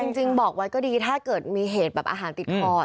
จริงบอกไว้ก็ดีถ้าเกิดมีเหตุแบบอาหารติดคอ